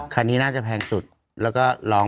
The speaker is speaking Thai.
คันนี้คันไหนแพงสุดครับ